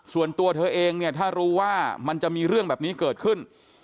ส่วนตัวเธอเองเนี่ยถ้ารู้ว่ามันจะมีเรื่องแบบนี้เกิดขึ้น